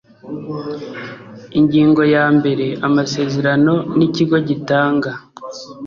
ingingo yambere amasezerano n ikigo gitanga